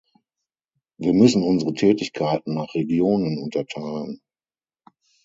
Wir müssen unsere Tätigkeiten nach Regionen unterteilen.